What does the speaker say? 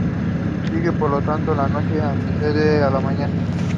There are plans to upgrade this road to bitumen.